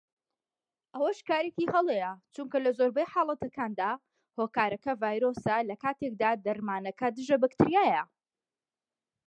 ئەوەش کارێکی هەڵەیە چونکە لە زۆربەی حاڵەتەکاندا هۆکارەکە ڤایرۆسە لەکاتێکدا دەرمانەکە دژە بەکتریایە